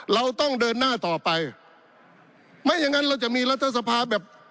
เราต้องเดินหน้าต่อไปไม่อย่างนั้นเราจะมีรัฐสภาแบบ